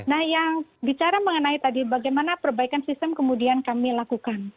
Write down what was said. nah yang bicara mengenai tadi bagaimana perbaikan sistem kemudian kami lakukan